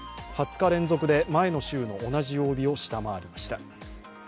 ２０日連続で前の週の同じ曜日を下回りました。